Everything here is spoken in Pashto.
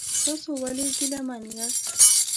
تاسو ولې ګیلمن یاست؟